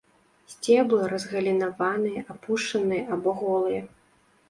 Сцеблы разгалінаваныя, апушаныя або голыя.